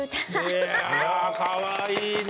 いやかわいいね。